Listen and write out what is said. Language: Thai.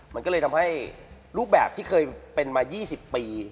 มันก็เลยทำให้รูปแบบที่เคยเป็นมา๒๐ปี